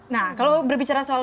nah kalau berbicara soal